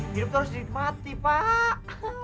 hidup terus dimati pak